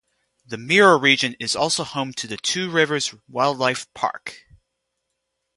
The Mira region is also home to the Two Rivers Wildlife Park.